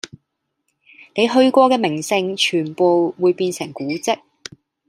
你去過嘅名勝全部會變成古蹟